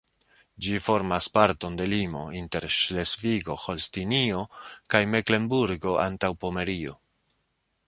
Ĝi formas parton de limo inter Ŝlesvigo-Holstinio kaj Meklenburgo-Antaŭpomerio.